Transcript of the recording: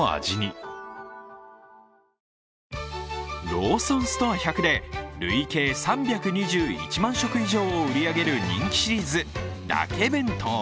ローソンストア１００で累計３２１万食以上を売り上げる人気シリーズ、だけ弁当。